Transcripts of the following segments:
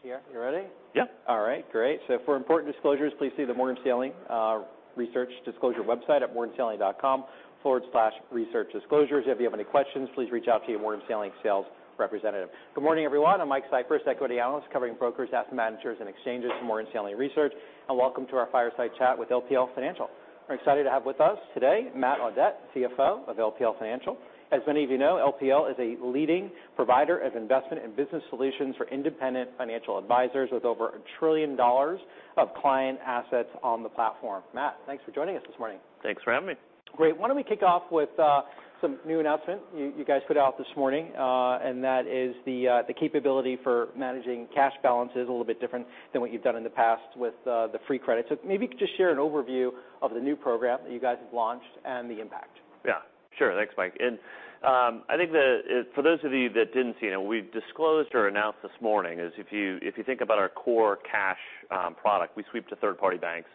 Started here. You ready? Yep. All right. Great. So for important disclosures, please see the Morgan Stanley Research Disclosure website at morganstanley.com/researchdisclosures. If you have any questions, please reach out to your Morgan Stanley sales representative. Good morning, everyone. I'm Mike Cyprys, Equity Analyst covering brokers, asset managers, and exchanges for Morgan Stanley Research. And welcome to our fireside chat with LPL Financial. We're excited to have with us today Matt Audette, CFO of LPL Financial. As many of you know, LPL is a leading provider of investment and Business Solutions for independent financial advisors with over $1 trillion of client assets on the platform. Matt, thanks for joining us this morning. Thanks for having me. Great. Why don't we kick off with some new announcement you guys put out this morning, and that is the capability for managing cash balances a little bit different than what you've done in the past with the free credits. So maybe you could just share an overview of the new program that you guys have launched and the impact. Yeah. Sure. Thanks, Mike. And I think, for those of you that didn't see it, what we've disclosed or announced this morning is, if you think about our core cash product, we sweep to third-party banks.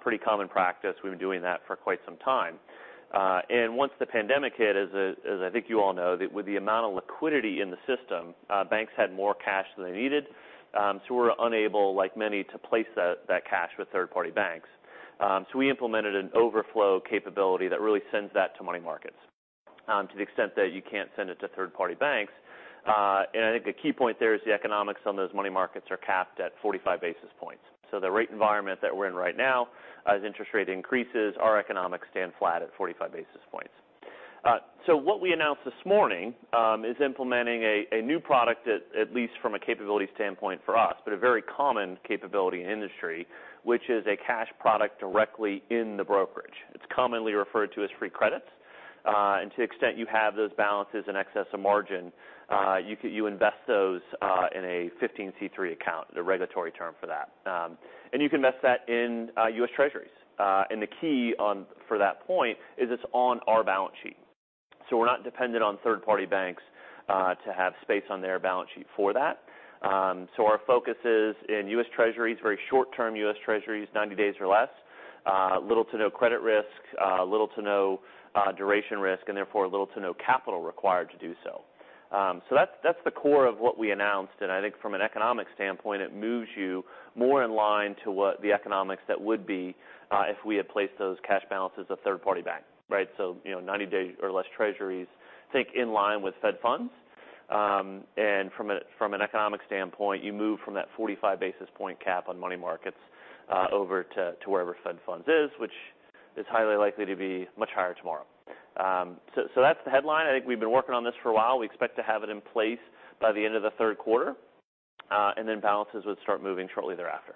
Pretty common practice. We've been doing that for quite some time. And once the pandemic hit, as I think you all know, that with the amount of liquidity in the system, banks had more cash than they needed. So we're unable, like many, to place that cash with third-party banks. So we implemented an overflow capability that really sends that to money markets, to the extent that you can't send it to third-party banks. And I think a key point there is the economics on those money markets are capped at 45 basis points. The rate environment that we're in right now, as interest rate increases, our economics stand flat at 45 basis points. What we announced this morning is implementing a new product that, at least from a capability standpoint for us, but a very common capability in industry, which is a cash product directly in the brokerage. It's commonly referred to as free credits. To the extent you have those balances in excess of margin, you invest those in a 15c3 account, the regulatory term for that. You can invest that in U.S. Treasuries. The key one for that point is it's on our balance sheet. We're not dependent on third-party banks to have space on their balance sheet for that. So our focus is in U.S. Treasuries, very short-term U.S. Treasuries, 90 days or less, little to no credit risk, little to no duration risk, and therefore little to no capital required to do so. That's the core of what we announced. I think from an economic standpoint, it moves you more in line to what the economics that would be if we had placed those cash balances at third-party bank, right? You know, 90 days or less Treasuries, think in line with Fed funds. From an economic standpoint, you move from that 45 basis point cap on money markets over to wherever Fed funds is, which is highly likely to be much higher tomorrow. That's the headline. I think we've been working on this for a while. We expect to have it in place by the end of the third quarter. And then balances would start moving shortly thereafter.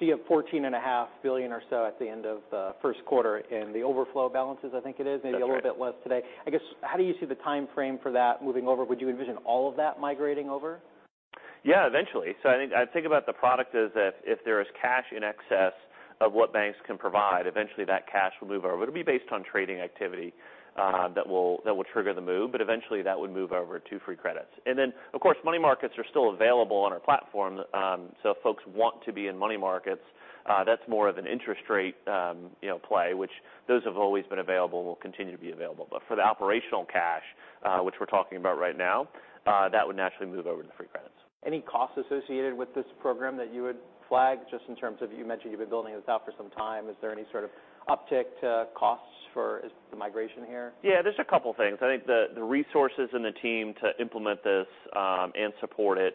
You have $14.5 billion or so at the end of the first quarter in the overflow balances, I think it is. Yeah. Maybe a little bit less today. I guess, how do you see the timeframe for that moving over? Would you envision all of that migrating over? Yeah, eventually. So I think, I think about the product as if, if there is cash in excess of what banks can provide, eventually that cash will move over. It'll be based on trading activity, that will trigger the move. But eventually, that would move over to free credits. And then, of course, money markets are still available on our platform. So if folks want to be in money markets, that's more of an interest rate, you know, play, which those have always been available and will continue to be available. But for the operational cash, which we're talking about right now, that would naturally move over to the free credits. Any costs associated with this program that you would flag just in terms of you mentioned you've been building this out for some time. Is there any sort of uptick to costs for the migration here? Yeah. There's a couple of things. I think the resources and the team to implement this and support it,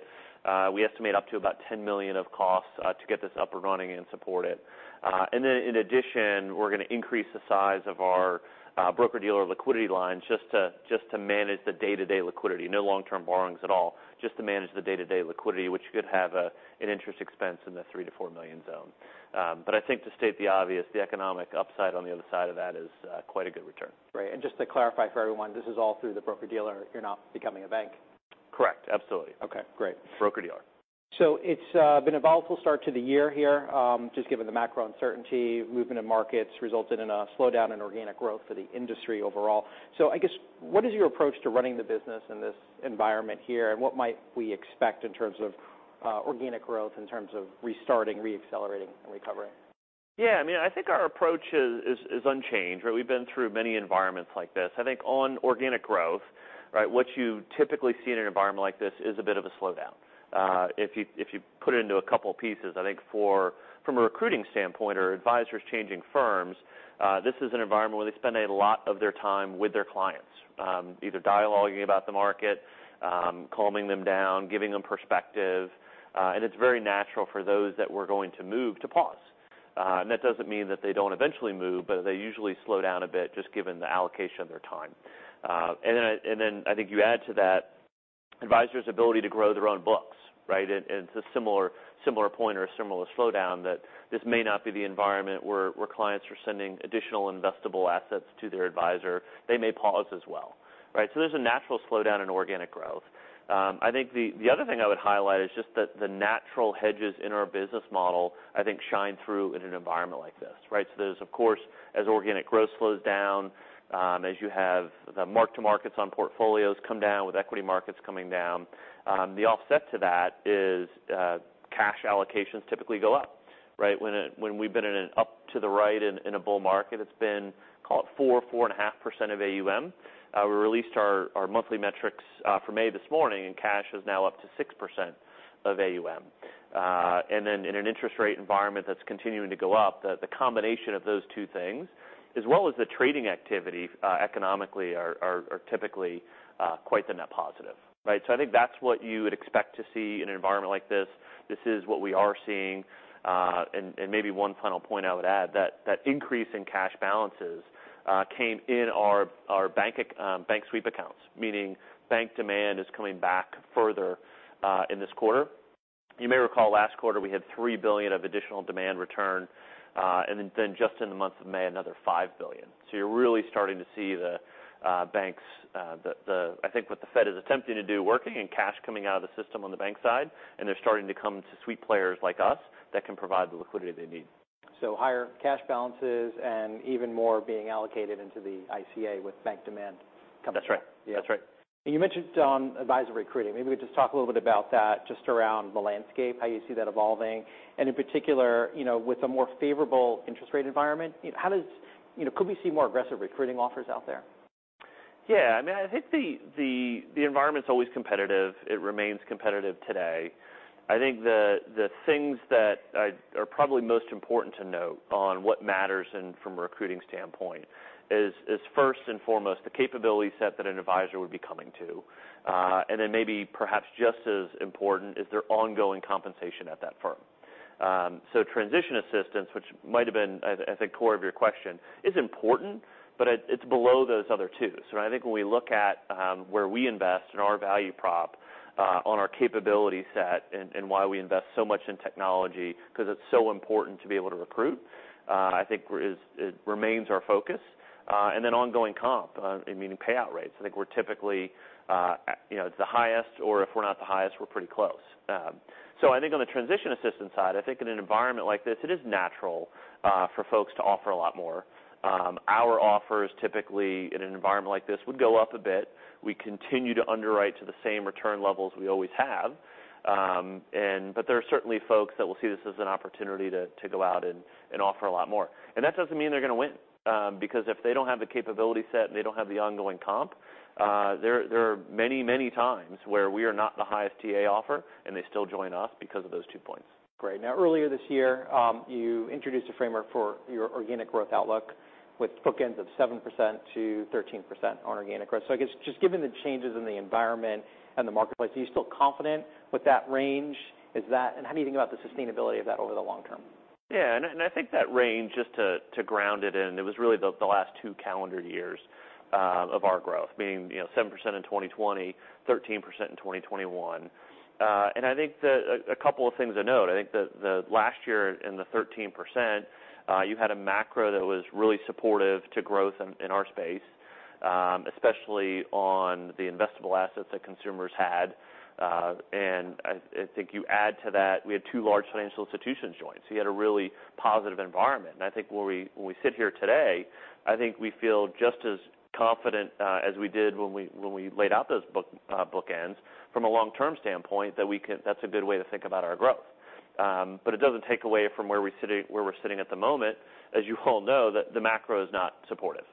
we estimate up to about $10 million of costs to get this up and running and support it, and then in addition, we're gonna increase the size of our broker-dealer liquidity lines just to just to manage the day-to-day liquidity, no long-term borrowings at all, just to manage the day-to-day liquidity, which could have an interest expense in the $3 million-$4 million zone, but I think to state the obvious, the economic upside on the other side of that is quite a good return. Right. Just to clarify for everyone, this is all through the broker-dealer. You're not becoming a bank? Correct. Absolutely. Okay. Great. Broker-dealer. So it's been a volatile start to the year here, just given the macro uncertainty. Movement of markets resulted in a slowdown in organic growth for the industry overall. So I guess what is your approach to running the business in this environment here? And what might we expect in terms of organic growth in terms of restarting, re-accelerating, and recovering? Yeah. I mean, I think our approach is unchanged, right? We've been through many environments like this. I think on organic growth, right, what you typically see in an environment like this is a bit of a slowdown. If you put it into a couple of pieces, I think from a recruiting standpoint or advisors changing firms, this is an environment where they spend a lot of their time with their clients, either dialoguing about the market, calming them down, giving them perspective, and it's very natural for those that we're going to move to pause, and that doesn't mean that they don't eventually move, but they usually slow down a bit just given the allocation of their time, and then I think you add to that advisors' ability to grow their own books, right? And it's a similar point or a similar slowdown that this may not be the environment where clients are sending additional investable assets to their advisor. They may pause as well, right? So there's a natural slowdown in organic growth. I think the other thing I would highlight is just that the natural hedges in our business model, I think, shine through in an environment like this, right? So there's, of course, as organic growth slows down, as you have the mark-to-markets on portfolios come down with equity markets coming down, the offset to that is, cash allocations typically go up, right? When we've been in an up to the right in a bull market, it's been, call it 4.5% of AUM. We released our monthly metrics for May this morning, and cash is now up to 6% of AUM. And then in an interest rate environment that's continuing to go up, the combination of those two things, as well as the trading activity, economically, are typically quite the net positive, right? So I think that's what you would expect to see in an environment like this. This is what we are seeing. And maybe one final point I would add, that increase in cash balances came in our bank sweep accounts, meaning bank demand is coming back further in this quarter. You may recall last quarter we had $3 billion of additional demand return, and then just in the month of May, another $5 billion. So you're really starting to see the banks, I think what the Fed is attempting to do, working in cash coming out of the system on the bank side, and they're starting to come to sweep players like us that can provide the liquidity they need. So higher cash balances and even more being allocated into the ICA with bank demand coming. That's right. Yeah. That's right. And you mentioned advisor recruiting. Maybe we could just talk a little bit about that just around the landscape, how you see that evolving. And in particular, you know, with a more favorable interest rate environment, you know, how does, you know, could we see more aggressive recruiting offers out there? Yeah. I mean, I think the environment's always competitive. It remains competitive today. I think the things that are probably most important to note on what matters in from a recruiting standpoint is first and foremost the capability set that an advisor would be coming to. And then maybe perhaps just as important is their ongoing compensation at that firm. So transition assistance, which might have been, I think, core of your question, is important, but it's below those other two. So I think when we look at where we invest in our value prop, on our capability set and why we invest so much in technology 'cause it's so important to be able to recruit, I think remains our focus. And then ongoing comp, meaning payout rates. I think we're typically, you know, it's the highest, or if we're not the highest, we're pretty close, so I think on the transition assistance side, I think in an environment like this, it is natural for folks to offer a lot more, our offers typically in an environment like this would go up a bit. We continue to underwrite to the same return levels we always have, and but there are certainly folks that will see this as an opportunity to go out and offer a lot more, and that doesn't mean they're gonna win, because if they don't have the capability set and they don't have the ongoing comp, there are many, many times where we are not the highest TA offer, and they still join us because of those two points. Great. Now, earlier this year, you introduced a framework for your organic growth outlook with bookends of 7%-13% on organic growth. So I guess just given the changes in the environment and the marketplace, are you still confident with that range? Is that, and how do you think about the sustainability of that over the long term? Yeah. And I think that range, just to ground it in, it was really the last two calendar years of our growth, meaning, you know, 7% in 2020, 13% in 2021. And I think that a couple of things to note. I think that the last year in the 13%, you had a macro that was really supportive to growth in our space, especially on the investable assets that consumers had. And I think you add to that, we had two large financial institutions join. So you had a really positive environment. And I think when we sit here today, I think we feel just as confident as we did when we laid out those bookends from a long-term standpoint that we can, that's a good way to think about our growth. But it doesn't take away from where we're sitting, where we're sitting at the moment, as you all know, that the macro is not supportive.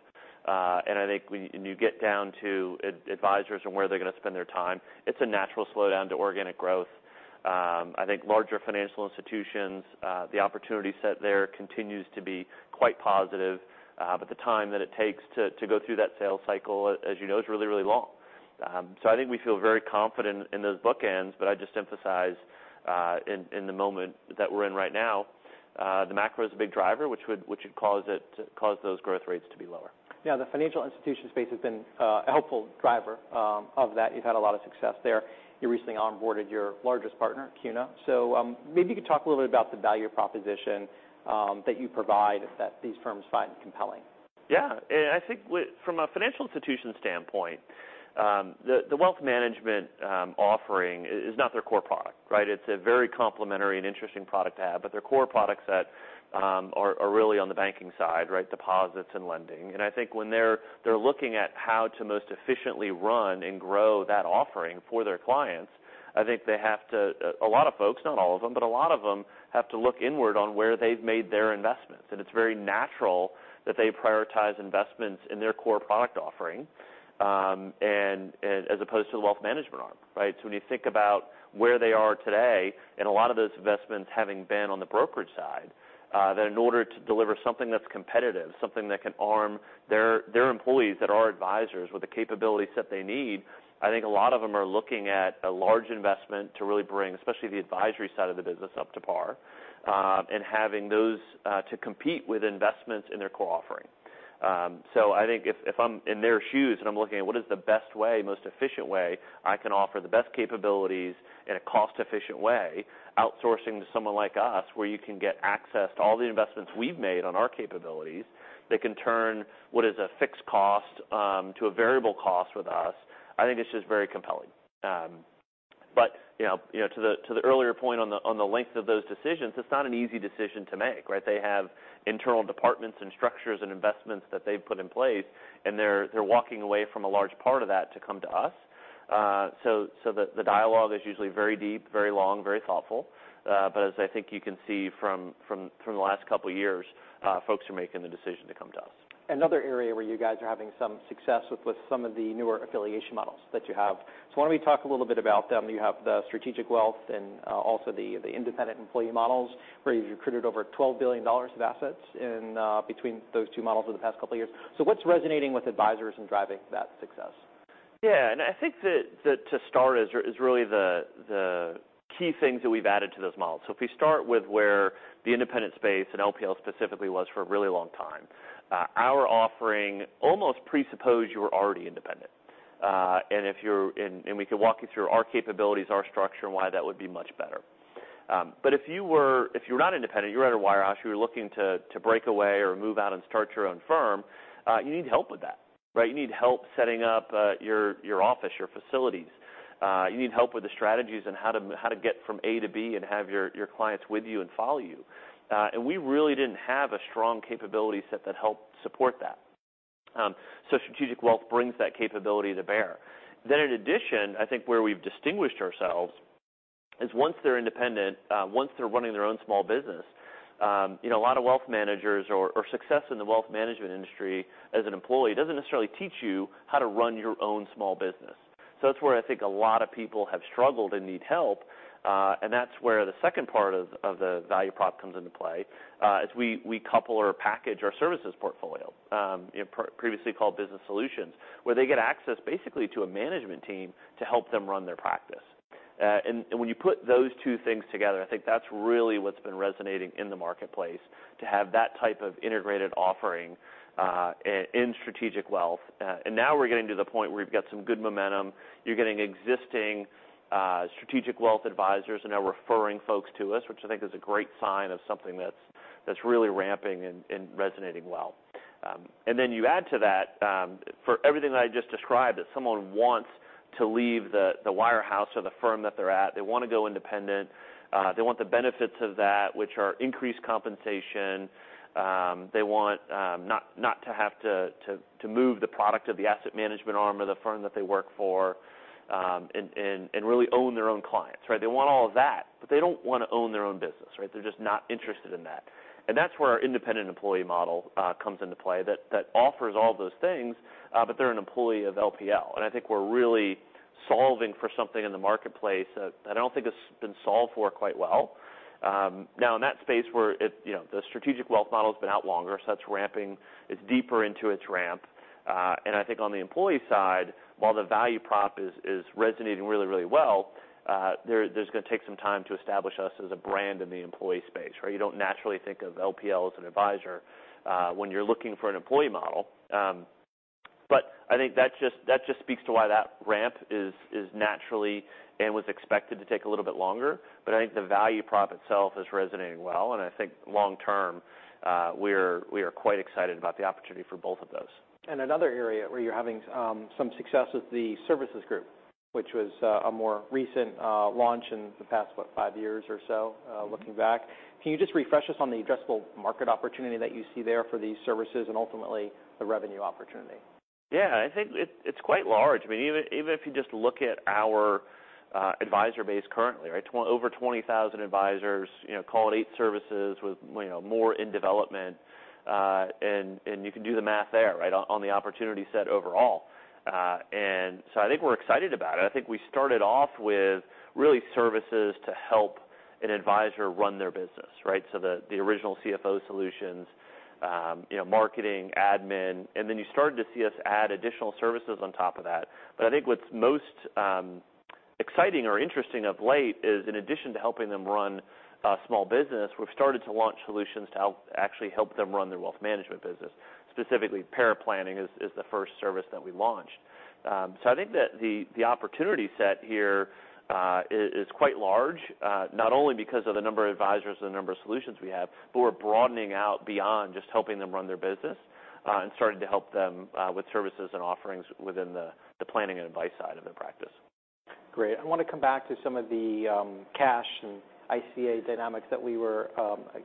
And I think when you, when you get down to advisors and where they're gonna spend their time, it's a natural slowdown to organic growth. I think larger financial institutions, the opportunity set there continues to be quite positive. But the time that it takes to go through that sales cycle, as you know, is really, really long. So I think we feel very confident in those bookends, but I just emphasize, in the moment that we're in right now, the macro is a big driver, which would cause it to cause those growth rates to be lower. Yeah. The financial institution space has been a helpful driver of that. You've had a lot of success there. You recently onboarded your largest partner, CUNA. So, maybe you could talk a little bit about the value proposition that you provide that these firms find compelling. Yeah. And I think, from a financial institution standpoint, the wealth management offering is not their core product, right? It's a very complementary and interesting product to have, but their core product set are really on the banking side, right? Deposits and lending. And I think when they're looking at how to most efficiently run and grow that offering for their clients, I think they have to. A lot of folks, not all of them, but a lot of them have to look inward on where they've made their investments. And it's very natural that they prioritize investments in their core product offering, and as opposed to the wealth management arm, right? So when you think about where they are today, and a lot of those investments having been on the brokerage side, that in order to deliver something that's competitive, something that can arm their, their employees that are advisors with the capabilities that they need, I think a lot of them are looking at a large investment to really bring, especially the advisory side of the business, up to par, and having those, to compete with investments in their core offering. So I think if I'm in their shoes and I'm looking at what is the best way, most efficient way I can offer the best capabilities in a cost-efficient way, outsourcing to someone like us where you can get access to all the investments we've made on our capabilities that can turn what is a fixed cost to a variable cost with us, I think it's just very compelling. But you know to the earlier point on the length of those decisions, it's not an easy decision to make, right? They have internal departments and structures and investments that they've put in place, and they're walking away from a large part of that to come to us. So the dialogue is usually very deep, very long, very thoughtful. But as I think you can see from the last couple of years, folks are making the decision to come to us. Another area where you guys are having some success with some of the newer affiliation models that you have. So why don't we talk a little bit about them? You have the Strategic Wealth and also the Independent Employee models where you've recruited over $12 billion of assets between those two models over the past couple of years. So what's resonating with advisors and driving that success? Yeah, and I think that to start is really the key things that we've added to those models. So if we start with where the independent space and LPL specifically was for a really long time, our offering almost presupposed you were already independent, and if you're in, we could walk you through our capabilities, our structure, and why that would be much better, but if you were not independent, you were at a wirehouse, you were looking to break away or move out and start your own firm, you need help with that, right? You need help setting up your office, your facilities. You need help with the strategies and how to get from A to B and have your clients with you and follow you. And we really didn't have a strong capability set that helped support that. So Strategic Wealth brings that capability to bear. Then in addition, I think where we've distinguished ourselves is once they're independent, once they're running their own small business, you know, a lot of wealth managers or success in the Wealth Management industry as an employee doesn't necessarily teach you how to run your own small business. So that's where I think a lot of people have struggled and need help. And that's where the second part of the value prop comes into play, is we couple or package our services portfolio, you know, previously called business solutions, where they get access basically to a management team to help them run their practice. When you put those two things together, I think that's really what's been resonating in the marketplace to have that type of integrated offering in Strategic Wealth. Now we're getting to the point where we've got some good momentum. You're getting existing Strategic Wealth advisors now referring folks to us, which I think is a great sign of something that's really ramping and resonating well. Then you add to that, for everything that I just described, that someone wants to leave the wirehouse or the firm that they're at. They want to go independent. They want the benefits of that, which are increased compensation. They want not to have to move the product of the asset management arm of the firm that they work for and really own their own clients, right? They want all of that, but they don't wanna own their own business, right? They're just not interested in that. And that's where our Independent Employee Model comes into play that offers all those things, but they're an employee of LPL. And I think we're really solving for something in the marketplace that I don't think has been solved for quite well now in that space where it, you know, the Strategic Wealth model's been out longer, so it's ramping, it's deeper into its ramp. And I think on the employee side, while the value prop is resonating really, really well, there's gonna take some time to establish us as a brand in the employee space, right? You don't naturally think of LPL as an advisor when you're looking for an employee model. But I think that just speaks to why that ramp is naturally and was expected to take a little bit longer. But I think the value prop itself is resonating well. And I think long term, we are quite excited about the opportunity for both of those. Another area where you're having some success with the services group, which was a more recent launch in the past, what, five years or so, looking back. Can you just refresh us on the addressable market opportunity that you see there for these services and ultimately the revenue opportunity? Yeah. I think it's quite large. I mean, even if you just look at our advisor base currently, right? Over 20,000 advisors, you know, call it eight services with, you know, more in development. You can do the math there, right, on the opportunity set overall. And so I think we're excited about it. I think we started off with really services to help an advisor run their business, right? So the original CFO Solutions, you know, marketing, admin, and then you started to see us add additional services on top of that. But I think what's most exciting or interesting of late is in addition to helping them run small business, we've started to launch solutions to help actually help them run their Wealth Management business. Specifically, financial planning is the first service that we launched. So I think that the opportunity set here is quite large, not only because of the number of advisors and the number of solutions we have, but we're broadening out beyond just helping them run their business, and starting to help them with services and offerings within the planning and advice side of their practice. Great. I wanna come back to some of the cash and ICA dynamics that we were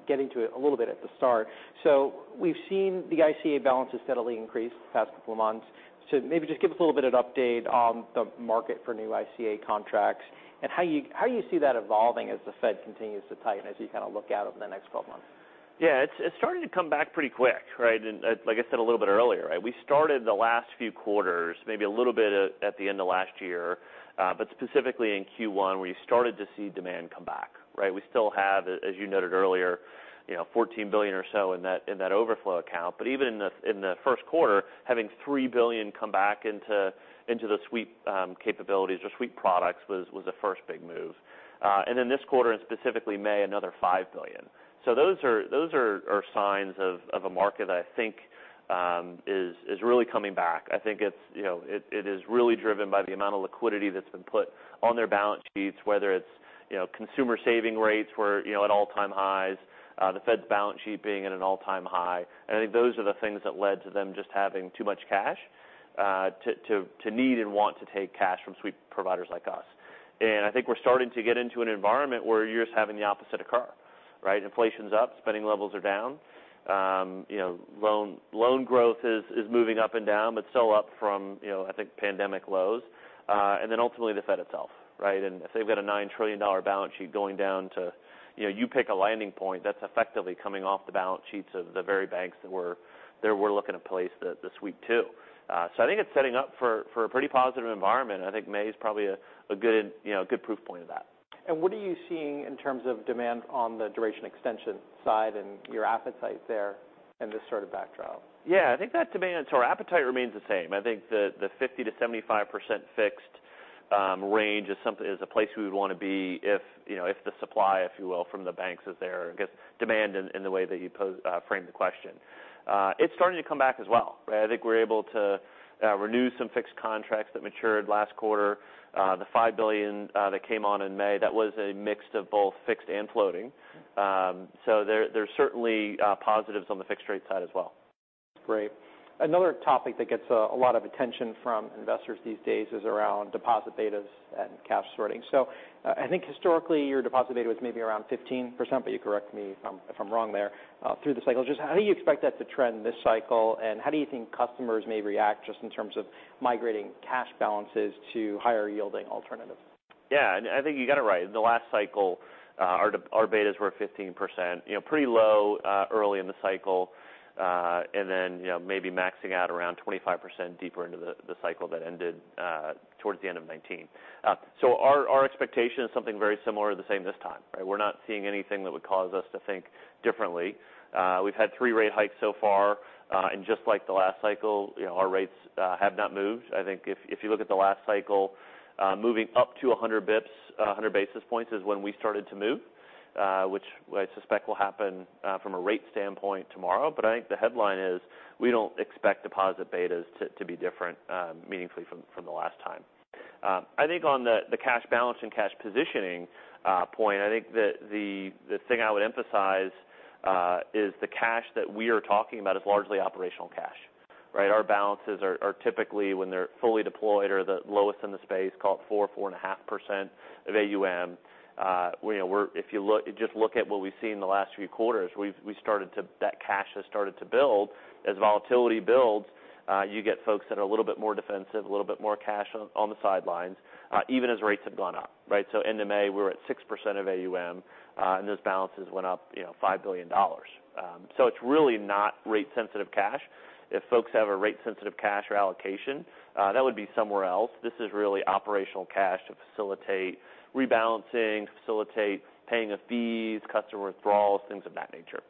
getting to a little bit at the start. So we've seen the ICA balances steadily increase the past couple of months. So maybe just give us a little bit of an update on the market for new ICA contracts and how you see that evolving as the Fed continues to tighten as you kinda look out over the next 12 months. Yeah. It's starting to come back pretty quick, right? And, like I said a little bit earlier, right? We started the last few quarters, maybe a little bit at the end of last year, but specifically in Q1, where you started to see demand come back, right? We still have, as you noted earlier, you know, $14 billion or so in that overflow account. But even in the first quarter, having $3 billion come back into the sweep capabilities or sweep products was a first big move, and then this quarter, and specifically May, another $5 billion. So those are signs of a market that I think is really coming back. I think it's, you know, it is really driven by the amount of liquidity that's been put on their balance sheets, whether it's, you know, consumer saving rates were, you know, at all-time highs, the Fed's balance sheet being at an all-time high. And I think those are the things that led to them just having too much cash, to need and want to take cash from sweep providers like us. And I think we're starting to get into an environment where you're just having the opposite occur, right? Inflation's up, spending levels are down. You know, loan growth is moving up and down, but still up from, you know, I think pandemic lows. And then ultimately the Fed itself, right? If they've got a $9 trillion balance sheet going down to, you know, you pick a landing point, that's effectively coming off the balance sheets of the very banks that were looking to place the Sweep too. So I think it's setting up for a pretty positive environment. I think May's probably a good, you know, a good proof point of that. What are you seeing in terms of demand on the duration extension side and your appetite there in this sort of backdrop? Yeah. I think that demand or appetite remains the same. I think the 50%-75% fixed range is something, is a place we would wanna be if, you know, if the supply, if you will, from the banks is there, I guess. Demand in the way that you pose, framed the question. It's starting to come back as well, right? I think we're able to renew some fixed contracts that matured last quarter. The $5 billion that came on in May, that was a mix of both fixed and floating. So there's certainly positives on the fixed rate side as well. Great. Another topic that gets a lot of attention from investors these days is around deposit betas and cash sorting. So, I think historically your deposit beta was maybe around 15%, but you correct me if I'm wrong there, through the cycle. Just how do you expect that to trend this cycle? And how do you think customers may react just in terms of migrating cash balances to higher yielding alternatives? Yeah. And I think you got it right. In the last cycle, our, our betas were 15%, you know, pretty low, early in the cycle, and then, you know, maybe maxing out around 25% deeper into the, the cycle that ended, towards the end of 2019. So our, our expectation is something very similar or the same this time, right? We're not seeing anything that would cause us to think differently. We've had three rate hikes so far. And just like the last cycle, you know, our rates, have not moved. I think if, if you look at the last cycle, moving up to 100 bps, 100 basis points is when we started to move, which I suspect will happen, from a rate standpoint tomorrow. But I think the headline is we don't expect deposit betas to, to be different, meaningfully from, from the last time. I think on the cash balance and cash positioning point, I think that the thing I would emphasize is the cash that we are talking about is largely operational cash, right? Our balances are typically when they're fully deployed or the lowest in the space, call it 4-4.5% of AUM. You know, if you look at what we've seen the last few quarters, we've started to, that cash has started to build. As volatility builds, you get folks that are a little bit more defensive, a little bit more cash on the sidelines, even as rates have gone up, right? So end of May, we were at 6% of AUM, and those balances went up, you know, $5 billion. So it's really not rate-sensitive cash. If folks have a rate-sensitive cash allocation, that would be somewhere else. This is really operational cash to facilitate rebalancing, facilitate paying of fees, customer withdrawals, things of that nature.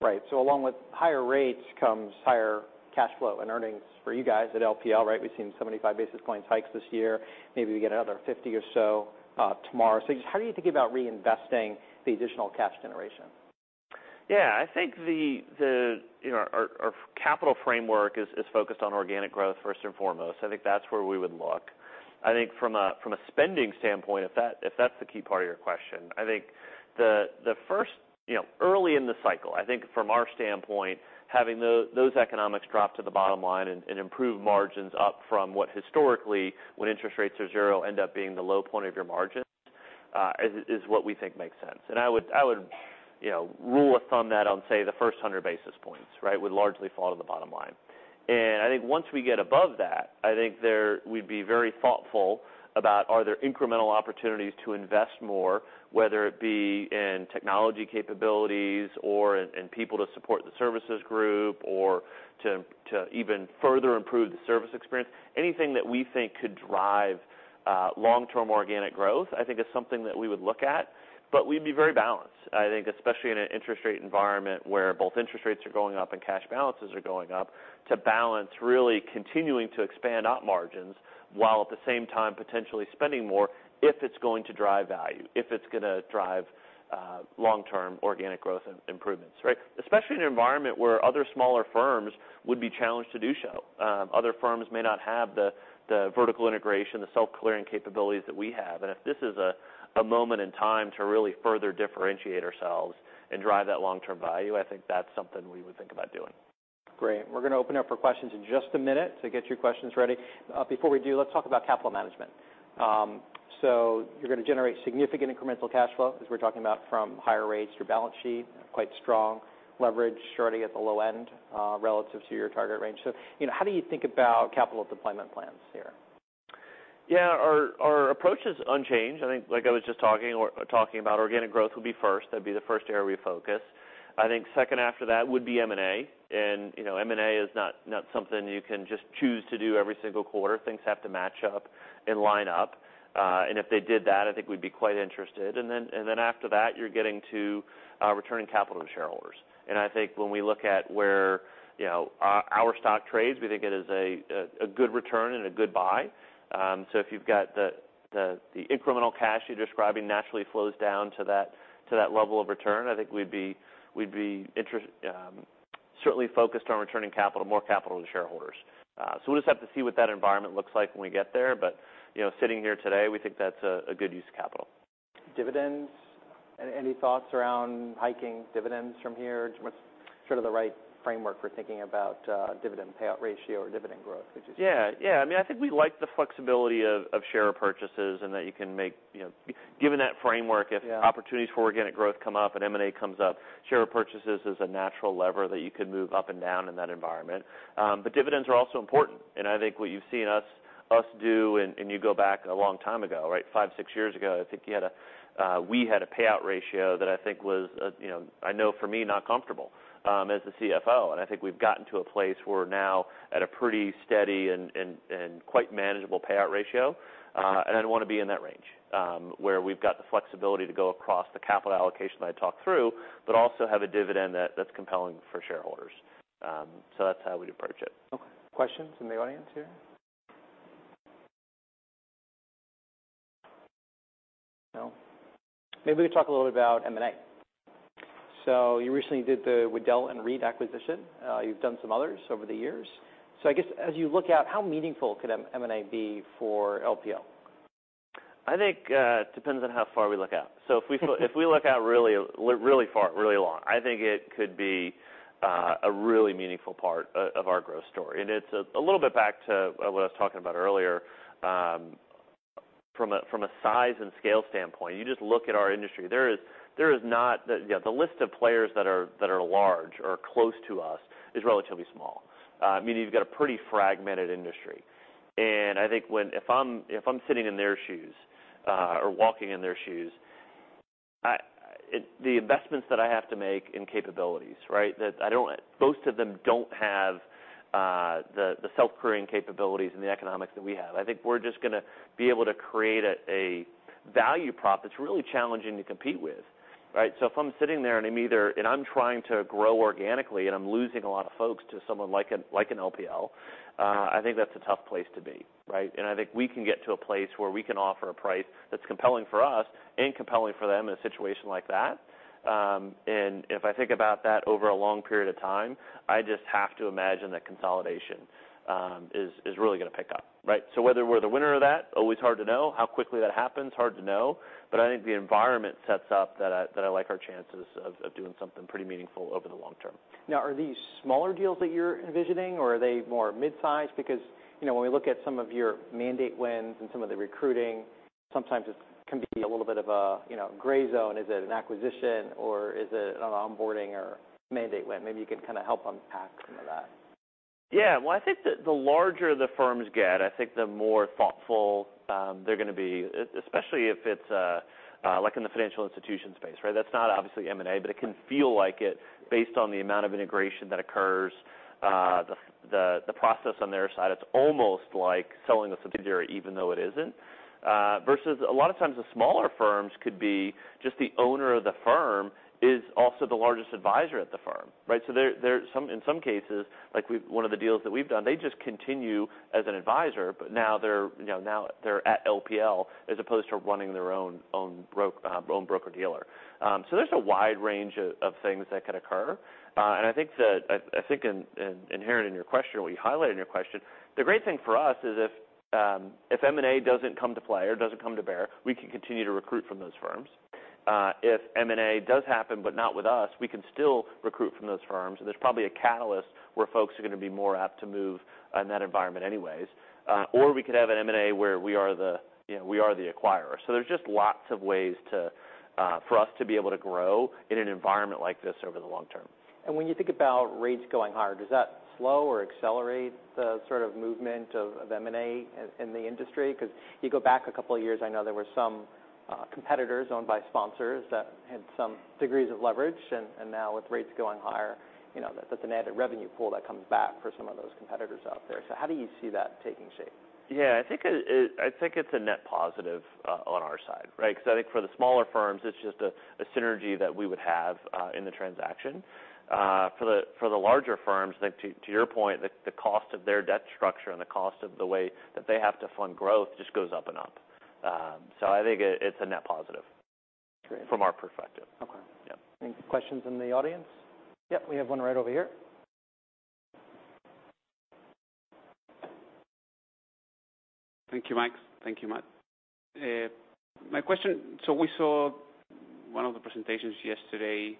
Right. So along with higher rates comes higher cash flow and earnings for you guys at LPL, right? We've seen 75 basis points hikes this year. Maybe we get another 50 or so, tomorrow. So just how do you think about reinvesting the additional cash generation? Yeah. I think the, you know, our capital framework is focused on organic growth first and foremost. I think that's where we would look. I think from a spending standpoint, if that's the key part of your question, I think the first, you know, early in the cycle, I think from our standpoint, having those economics drop to the bottom line and improve margins up from what historically, when interest rates are zero, end up being the low point of your margins, is what we think makes sense. And I would, you know, rule of thumb that on, say, the first 100 basis points, right, would largely fall to the bottom line. I think once we get above that, I think there we'd be very thoughtful about whether there are incremental opportunities to invest more, whether it be in technology capabilities or in people to support the services group or to even further improve the service experience. Anything that we think could drive long-term organic growth, I think is something that we would look at. We'd be very balanced, I think, especially in an interest rate environment where both interest rates are going up and cash balances are going up, to balance really continuing to expand our margins while at the same time potentially spending more if it's going to drive value, if it's gonna drive long-term organic growth and improvements, right? Especially in an environment where other smaller firms would be challenged to do so. Other firms may not have the vertical integration, the self-clearing capabilities that we have. And if this is a moment in time to really further differentiate ourselves and drive that long-term value, I think that's something we would think about doing. Great. We're gonna open up for questions in just a minute to get your questions ready. Before we do, let's talk about capital management. So you're gonna generate significant incremental cash flow, as we're talking about, from higher rates to your balance sheet, quite strong leverage starting at the low end, relative to your target range. So, you know, how do you think about capital deployment plans here? Yeah. Our approach is unchanged. I think, like I was just talking about, organic growth would be first. That'd be the first area we focus. I think second after that would be M&A. And, you know, M&A is not something you can just choose to do every single quarter. Things have to match up and line up. And if they did that, I think we'd be quite interested. And then after that, you're getting to returning capital to shareholders. And I think when we look at where, you know, our stock trades, we think it is a good return and a good buy. So if you've got the incremental cash you're describing naturally flows down to that level of return, I think we'd be interested, certainly focused on returning capital, more capital to shareholders. So we'll just have to see what that environment looks like when we get there. But, you know, sitting here today, we think that's a good use of capital. Dividends? Any thoughts around hiking dividends from here? What's sort of the right framework for thinking about dividend payout ratio or dividend growth, would you say? Yeah. Yeah. I mean, I think we like the flexibility of share purchases and that you can make, you know, given that framework, if opportunities for organic growth come up and M&A comes up, share purchases is a natural lever that you could move up and down in that environment, but dividends are also important, and I think what you've seen us do, and you go back a long time ago, right, five, six years ago, I think we had a payout ratio that I think was, you know, I know for me, not comfortable, as the CFO. And I think we've gotten to a place where we're now at a pretty steady and quite manageable payout ratio. And I don't wanna be in that range, where we've got the flexibility to go across the capital allocation that I talked through, but also have a dividend that, that's compelling for shareholders. So that's how we'd approach it. Okay. Questions in the audience here? No? Maybe we could talk a little bit about M&A. So you recently did the Waddell & Reed acquisition. You've done some others over the years. So I guess as you look out, how meaningful could M&A be for LPL? I think it depends on how far we look out. So if we look out really, really far, really long, I think it could be a really meaningful part of our growth story. And it's a little bit back to what I was talking about earlier, from a size and scale standpoint. You just look at our industry. There is not the, you know, the list of players that are large or close to us is relatively small, meaning you've got a pretty fragmented industry. And I think if I'm sitting in their shoes, or walking in their shoes, the investments that I have to make in capabilities, right, that most of them don't have, the self-clearing capabilities and the economics that we have. I think we're just gonna be able to create a value prop that's really challenging to compete with, right? So if I'm sitting there and I'm trying to grow organically and I'm losing a lot of folks to someone like an LPL, I think that's a tough place to be, right? And I think we can get to a place where we can offer a price that's compelling for us and compelling for them in a situation like that. And if I think about that over a long period of time, I just have to imagine that consolidation is really gonna pick up, right? So whether we're the winner of that, always hard to know. How quickly that happens, hard to know. But I think the environment sets up that I like our chances of doing something pretty meaningful over the long term. Now, are these smaller deals that you're envisioning, or are they more mid-size? Because, you know, when we look at some of your mandate wins and some of the recruiting, sometimes it can be a little bit of a, you know, gray zone. Is it an acquisition, or is it an onboarding or mandate win? Maybe you can kinda help unpack some of that? Yeah. Well, I think the larger the firms get, I think the more thoughtful they're gonna be, especially if it's, like in the financial institution space, right? That's not obviously M&A, but it can feel like it based on the amount of integration that occurs, the process on their side. It's almost like selling a subsidiary even though it isn't, vs a lot of times the smaller firms could be just the owner of the firm is also the largest advisor at the firm, right? So there's some, in some cases, like we've one of the deals that we've done, they just continue as an advisor, but now they're, you know, now they're at LPL as opposed to running their own broker-dealer. So there's a wide range of things that could occur. And I think inherent in your question, what you highlighted in your question, the great thing for us is if M&A doesn't come to play or doesn't come to bear, we can continue to recruit from those firms. If M&A does happen but not with us, we can still recruit from those firms, and there's probably a catalyst where folks are gonna be more apt to move in that environment anyways, or we could have an M&A where, you know, we are the acquirer, so there's just lots of ways for us to be able to grow in an environment like this over the long term. And when you think about rates going higher, does that slow or accelerate the sort of movement of M&A in the industry? Cause you go back a couple of years, I know there were some competitors owned by sponsors that had some degrees of leverage. And now with rates going higher, you know, that's an added revenue pool that comes back for some of those competitors out there. So how do you see that taking shape? Yeah. I think it's a net positive on our side, right? 'Cause I think for the smaller firms, it's just a synergy that we would have in the transaction. For the larger firms, I think to your point, the cost of their debt structure and the cost of the way that they have to fund growth just goes up and up, so I think it's a net positive. Great. From our perspective. Okay. Yeah. Any questions in the audience? Yep. We have one right over here. Thank you, Mike. Thank you, Matt. My question, so we saw one of the presentations yesterday,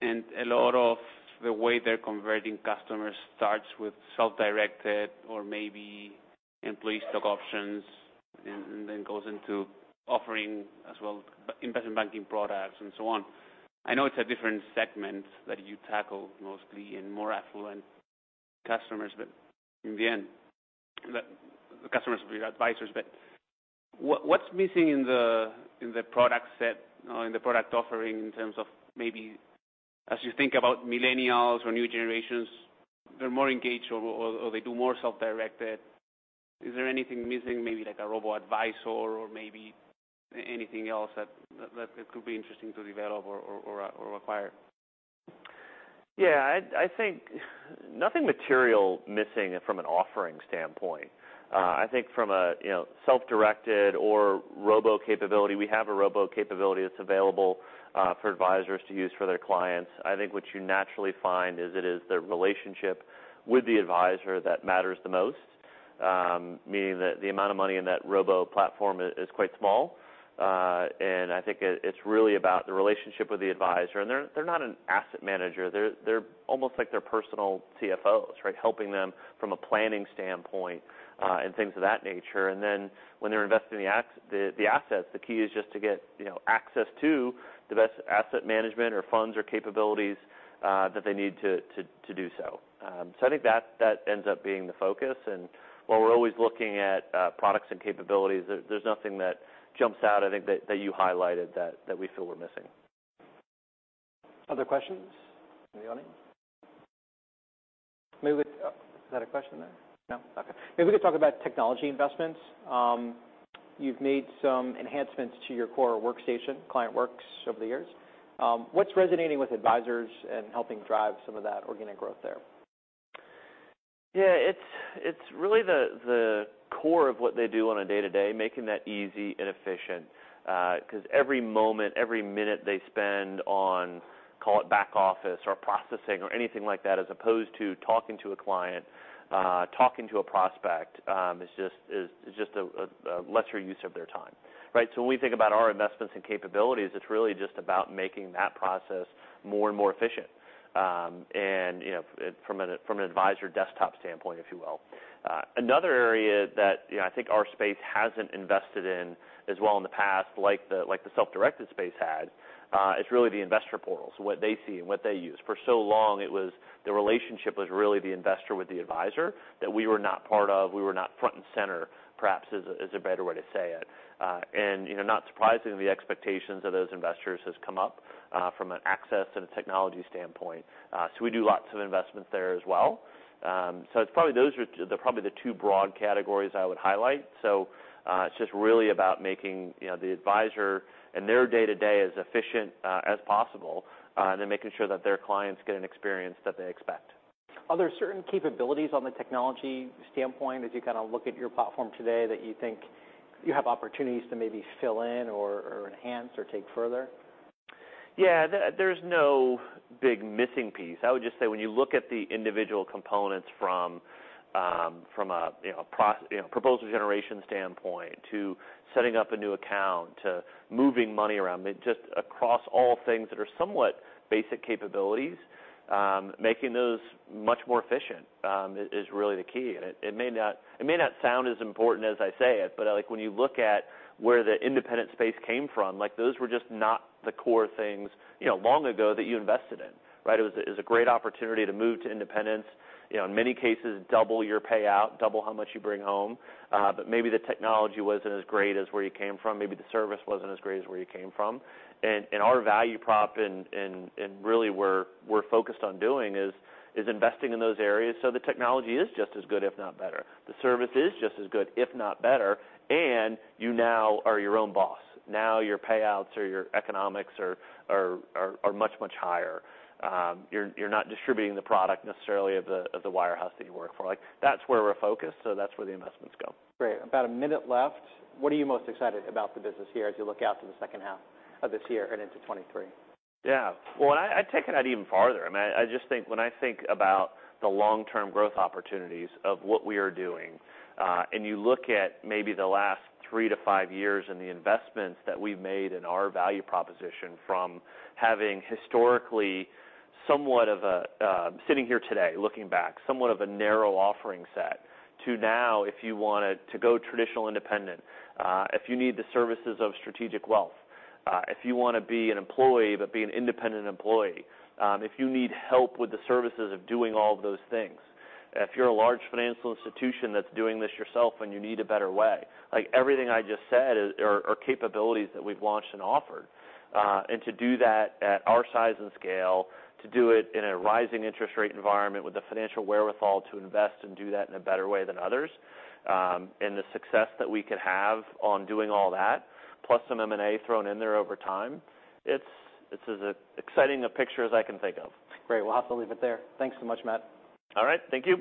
and a lot of the way they're converting customers starts with self-directed or maybe employee stock options and then goes into offering as well investment banking products and so on. I know it's a different segment that you tackle mostly and more affluent customers, but in the end, the customers will be advisors. But what's missing in the product set, in the product offering in terms of maybe as you think about millennials or new generations, they're more engaged or they do more self-directed? Is there anything missing, maybe like a robo-advisor or maybe anything else that could be interesting to develop or acquire? Yeah. I think nothing material missing from an offering standpoint. I think from a, you know, self-directed or robo-capability, we have a robo-capability that's available for advisors to use for their clients. I think what you naturally find is it is the relationship with the advisor that matters the most, meaning that the amount of money in that robo-platform is quite small, and I think it's really about the relationship with the advisor. They're not an asset manager. They're almost like their personal CFOs, right, helping them from a planning standpoint, and things of that nature. And then when they're investing the assets, the key is just to get, you know, access to the best asset management or funds or capabilities that they need to do so, so I think that ends up being the focus. And while we're always looking at products and capabilities, there's nothing that jumps out, I think, that we feel we're missing. Other questions in the audience? Maybe, is that a question there? No? Okay. Maybe we could talk about technology investments. You've made some enhancements to your core workstation, ClientWorks, over the years. What's resonating with advisors and helping drive some of that organic growth there? Yeah. It's really the core of what they do on a day-to-day, making that easy and efficient. 'Cause every moment, every minute they spend on, call it back office or processing or anything like that, as opposed to talking to a client, talking to a prospect, is just a lesser use of their time, right? So when we think about our investments and capabilities, it's really just about making that process more and more efficient, and, you know, from an advisor desktop standpoint, if you will. Another area that, you know, I think our space hasn't invested in as well in the past, like the self-directed space had, is really the investor portals, what they see and what they use. For so long, it was the relationship was really the investor with the advisor that we were not part of. We were not front and center; perhaps is a better way to say it. And, you know, not surprisingly, the expectations of those investors has come up, from an access and a technology standpoint. So we do lots of investments there as well. So it's probably those; they're probably the two broad categories I would highlight. So, it's just really about making, you know, the advisor and their day-to-day as efficient as possible, and then making sure that their clients get an experience that they expect. Are there certain capabilities on the technology standpoint as you kinda look at your platform today that you think you have opportunities to maybe fill in or, or enhance or take further? Yeah. There's no big missing piece. I would just say when you look at the individual components from a, you know, proposal generation standpoint to setting up a new account to moving money around, just across all things that are somewhat basic capabilities, making those much more efficient is really the key. And it may not sound as important as I say it, but like, when you look at where the independent space came from, like, those were just not the core things, you know, long ago that you invested in, right? It was a great opportunity to move to independence, you know, in many cases, double your payout, double how much you bring home. But maybe the technology wasn't as great as where you came from. Maybe the service wasn't as great as where you came from. And our value prop and really we're focused on doing is investing in those areas so the technology is just as good, if not better. The service is just as good, if not better. And you now are your own boss. Now your payouts or your economics are much higher. You're not distributing the product necessarily of the wirehouse that you work for. Like, that's where we're focused, so that's where the investments go. Great. About a minute left. What are you most excited about the business here as you look out to the second half of this year and into 2023? Yeah. Well, and I take it out even farther. I mean, I just think when I think about the long-term growth opportunities of what we are doing, and you look at maybe the last three-to-five years and the investments that we've made in our value proposition from having historically somewhat of a, sitting here today, looking back, somewhat of a narrow offering set to now, if you want to go traditional independent, if you need the services of Strategic Wealth, if you want to be an employee but be an independent employee, if you need help with the services of doing all of those things, if you're a large financial institution that's doing this yourself and you need a better way, like, everything I just said is or capabilities that we've launched and offered, and to do that at our size and scale, to do it in a rising interest rate environment with a financial wherewithal to invest and do that in a better way than others, and the success that we could have on doing all that, plus some M&A thrown in there over time, it's as exciting a picture as I can think of. Great. We'll have to leave it there. Thanks so much, Matt. All right. Thank you.